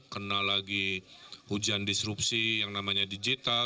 kena lagi hujan disrupsi yang namanya digital